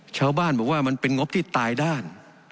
ชาวบ้านบอกว่ามันเป็นงบที่ตายด้าน